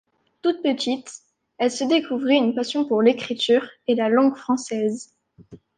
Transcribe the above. Toute petite, elle se découvrit une passion pour l'écriture et la langue française.